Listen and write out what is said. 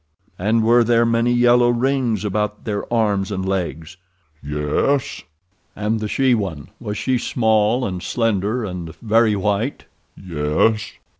"And were there many yellow rings about their arms and legs?" "Yes." "And the she one—was she small and slender, and very white?" "Yes."